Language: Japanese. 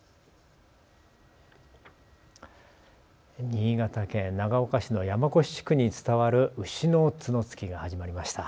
新潟県長岡市の山古志地区に伝わる牛の角突きが始まりました。